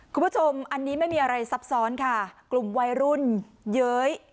คุณผู้ชมอันนี้ไม่มีอะไรซับซ้อนค่ะกลุ่มวัยรุ่นเย้ย